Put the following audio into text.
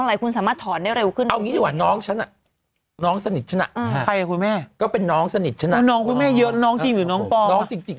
อึกอึกอึกอึกอึกอึกอึกอึก